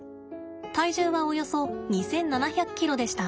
体重はおよそ２，７００ｋｇでした。